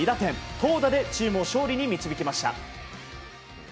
投打でチームを勝利に導きました。